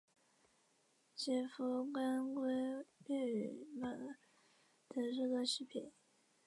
乞伏干归便把乞伏炽磐等人送到西平。